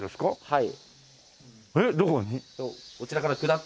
はい。